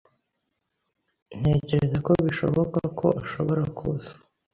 Ntekereza ko bishoboka ko ashobora kuza.